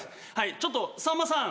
ちょっとさんまさん。